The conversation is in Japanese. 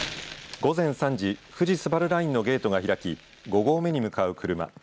午前３時、富士スバルラインのゲートが開き５合目に向かう車。